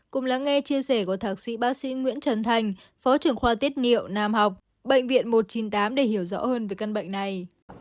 cùng lắng nghe chia sẻ của thạc sĩ bác sĩ nguyễn trần thành phó trưởng khoa tiết niệu nam học bệnh viện một trăm chín mươi tám để hiểu rõ hơn về căn bệnh này